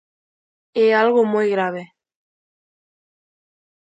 É algo moi grave.